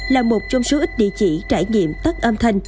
là một trong số ít địa chỉ trải nghiệm tắt âm thanh